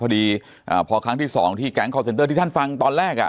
พอดีอ่าพอครั้งที่สองที่แก๊งคอร์เซ็นเตอร์ที่ท่านฟังตอนแรกอ่ะ